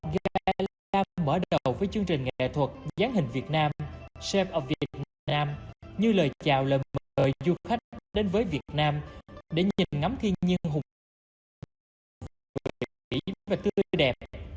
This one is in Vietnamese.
gala đêm việt nam bởi đầu với chương trình nghệ thuật gián hình việt nam chef of vietnam như lời chào lời mời du khách đến với việt nam để nhìn ngắm thiên nhiên hùng hồ vui vẻ và tươi đẹp